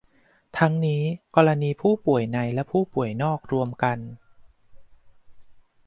ทั้งนี้ กรณีผู้ป่วยในและผู้ป่วยนอกรวมกัน